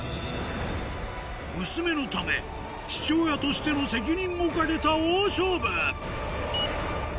娘のため父親としての責任も懸けた大勝負！